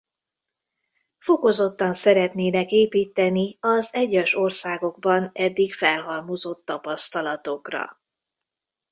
Fokozottan szeretnének építeni az egyes országokban eddig felhalmozott tapasztalatokra.